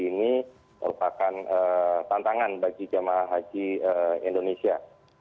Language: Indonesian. ini merupakan tantangan bagi jemaah haji indonesia